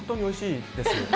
おいしいです。